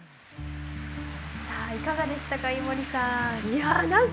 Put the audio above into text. さあいかがでしたか井森さん。